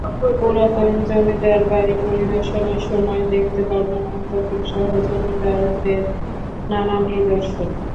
পুরাতন জমিদার বাড়ি পরিদর্শনের সময় দেখতে পাবেন অন্ধকূপসহ জমিদারদের নানা নিদর্শন।